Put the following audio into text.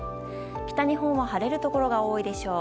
北日本は晴れる所が多いでしょう。